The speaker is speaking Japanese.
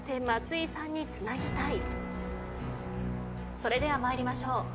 それでは参りましょう。